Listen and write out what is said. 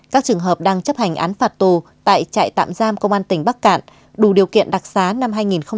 các trường hợp đang chấp hành án phạt tù tại trại tạm giam công an tỉnh bắc cạn đủ điều kiện đặc xá năm hai nghìn một mươi tám